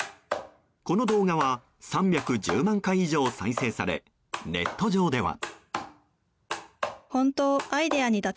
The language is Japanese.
この動画は３１０万回以上再生され、ネット上では。